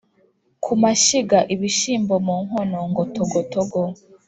Ku mashyiga ibishyimbo mu nkono ngo togotogo